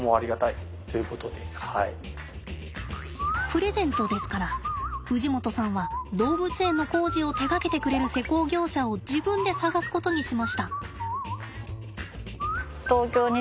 プレゼントですから氏夲さんは動物園の工事を手がけてくれる施工業者を自分で探すことにしました。